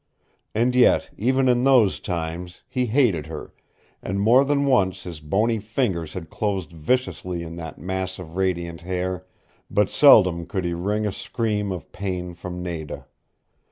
And yet, even in those times, he hated her, and more than once his bony fingers had closed viciously in that mass of radiant hair, but seldom could he wring a scream of pain from Nada.